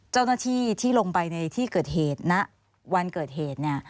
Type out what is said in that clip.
เจ้าหน้าที่ที่ลงไปในที่เกิดเหตุณวันเกิดเหตุ